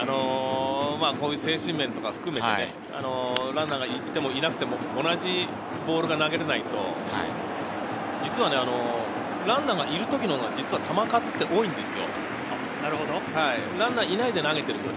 精神面とか含めてランナーがいてもいなくても同じボールが投げれないと、実はランナーがいる時のほうが球数って多いんです。